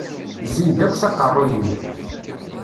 Zzin-d akk s aqaṛṛuy-iw.